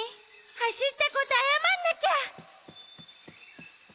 はしったことあやまんなきゃ！